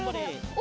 お！